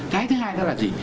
cái thứ hai là gì